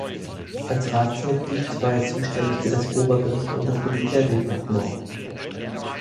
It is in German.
Als Ratsmitglied war er zuständig für das Obergericht und das Militärdepartement.